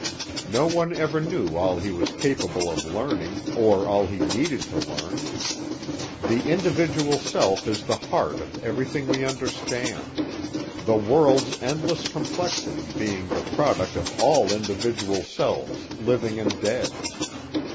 No one ever knew all he was capable of learning, or all he needed to learn. The individual self is the heart of everything we understand, the world's endless complexity being the product of all individual selves living and dead.